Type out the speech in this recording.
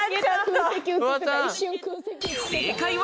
正解は。